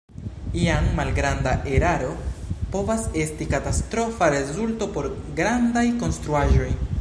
Jam malgranda eraro povas esti katastrofa rezulto por grandaj konstruaĵoj.